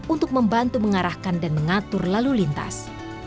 untuk membantu mengarahkan dan mengatur lalu lintas